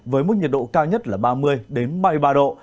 với mức nhiệt độ cao nhất là ba mươi ba mươi ba độ